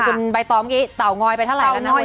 คุณใบตองเมื่อกี้เตางอยไปเท่าไหร่แล้วนะ